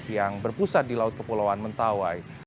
yang berpusat di laut kepulauan mentawai